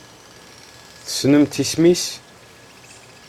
Tessnemt isem-nnes?